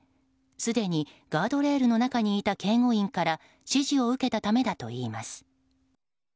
すでにガードレールの中にいた警護員から指示を受けたためだといいます。